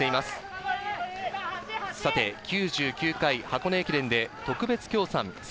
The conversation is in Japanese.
９９回箱根駅伝で特別協賛